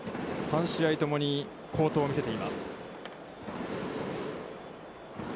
３試合ともに好投を見せています。